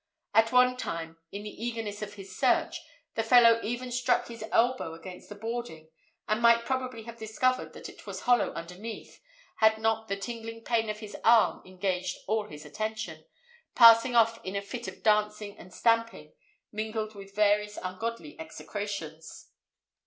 At one time, in the eagerness of his search, the fellow even struck his elbow against the boarding, and might probably have discovered that it was hollow underneath, had not the tingling pain of his arm engaged all his attention, passing off in a fit of dancing and stamping, mingled with various ungodly execrations.